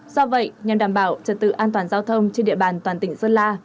do vậy nhằm đảm bảo trật tự an toàn giao thông trên địa bàn toàn tỉnh sơn la